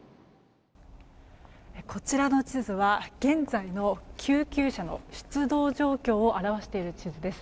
こちらの地図は現在の救急車の出動状況を表している地図です。